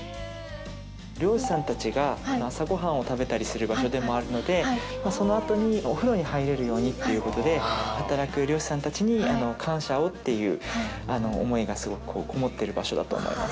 漁師さんたちが朝ごはんを食べたりする場所でもあるのでそのあとにお風呂に入れるようにということで働いている漁師さんたちに感謝をっていう思いがこもっている場所だと思います。